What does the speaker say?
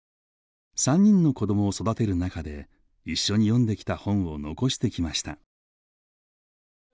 ３人の子どもを育てる中で一緒に読んできた本を残してきました。